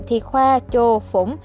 thì khoa chô phủng